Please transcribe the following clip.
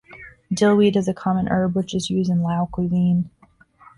Dill weed is a common herb which is used in Lao cuisine.